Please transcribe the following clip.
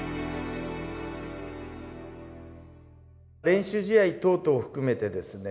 練習試合等々含めてですね